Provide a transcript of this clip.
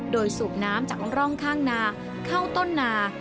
โดยสูบน้ำจากร่องข้างนาเข้าต้นนา